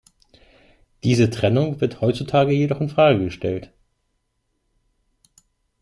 Diese Trennung wird heutzutage jedoch in Frage gestellt.